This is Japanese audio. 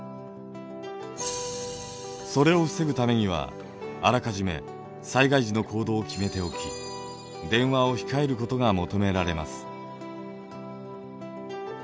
それを防ぐためにはあらかじめ災害時の行動を決めておき電話を控えることが求められます。